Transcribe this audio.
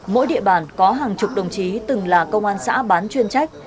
mỗi địa bàn có hàng chục đồng chí từng là công an xã bán chuyên trách